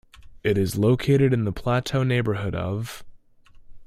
It is located in The Plateau neighbourhood of.